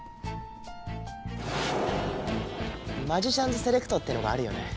マジシャンズセレクトってのがあるよね。